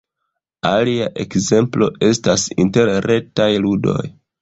Alia ekzemplo estas interretaj ludoj.